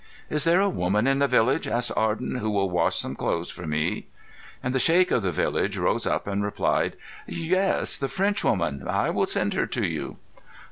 "Is there a woman in the village," asked Arden, "who will wash some clothes for me?" And the sheikh of the village rose up and replied: "Yes; the Frenchwoman. I will send her to you."